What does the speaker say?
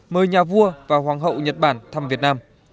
mời nhà vua và hoàng hậu nhật bản thăm việt nam